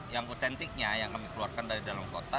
yang otentiknya yang kami keluarkan dari dalam kota